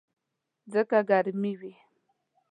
ځکه ګرمي وي.